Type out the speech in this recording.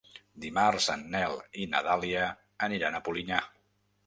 Dimarts en Nel i na Dàlia aniran a Polinyà.